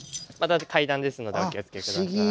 階段ですのでお気を付け下さい。